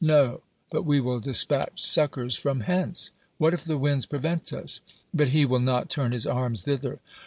"No: but we will dispatch suc cors from hence." What if the winds prevent us? "But he will not turn his arms thither."